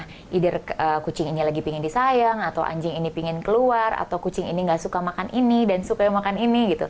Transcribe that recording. maksud dari kucing ini lagi ingin disayang atau anjing ini ingin keluar atau kucing ini tidak suka makan ini dan suka makan ini